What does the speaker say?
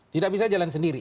tidak bisa jalan sendiri